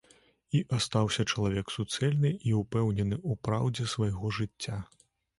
І астаўся чалавек суцэльны і ўпэўнены ў праўдзе свайго жыцця.